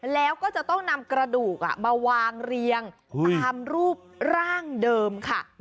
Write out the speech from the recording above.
แล้วก็จะต้องนำกระดูกมาวางเรียงตามรูปร่างเดิมค่ะ